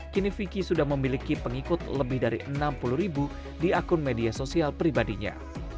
kini vicky sudah memiliki pengikut lebih dari enam puluh ribu di akun media sosial pribadinya